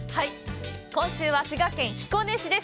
今週は、滋賀県彦根市です。